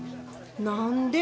何で？